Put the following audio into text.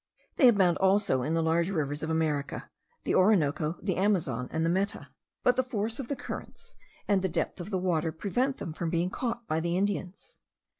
They abound also in the large rivers of America, the Orinoco, the Amazon, and the Meta; but the force of the currents and the depth of the water, prevent them from being caught by the Indians.